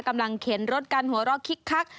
กำลังเข็นรถกันหัวรอกคิกคัก